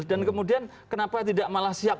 dan kemudian kenapa tidak malah siap